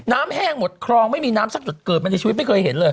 แห้งหมดคลองไม่มีน้ำสักจุดเกิดมาในชีวิตไม่เคยเห็นเลย